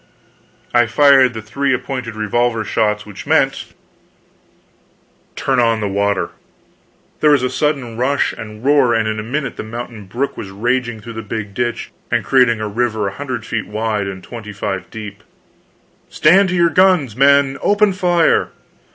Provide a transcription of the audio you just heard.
I fired the three appointed revolver shots which meant: "Turn on the water!" There was a sudden rush and roar, and in a minute the mountain brook was raging through the big ditch and creating a river a hundred feet wide and twenty five deep. "Stand to your guns, men! Open fire!"